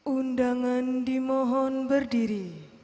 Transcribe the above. undangan dimohon berdiri